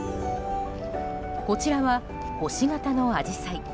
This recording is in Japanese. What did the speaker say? こちらは星形のアジサイ